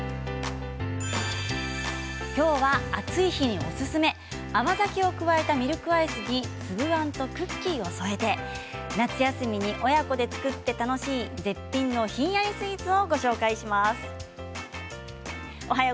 きょうは暑い日におすすめ甘酒を加えたミルクアイスに粒あんとクッキーを添えて夏休みに親子作って楽しい絶品のひんやりスイーツをご紹介します。